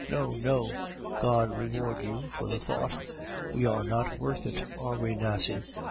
"No, no!" "God reward you for the thought. We are not worth it, are we, Nasie?"